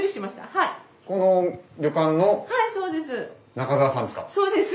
はいそうです。